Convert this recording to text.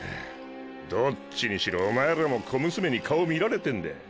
どっちにしろお前らも小娘に顔見られてんだ。